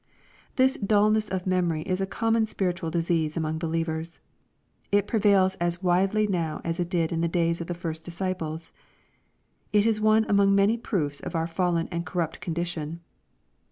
This dulness of memory is a common spiritual disease among believers. It prevails as widely now as it did in the days of the first disciples. It is one among many proofs of our fallen and corrupt condition.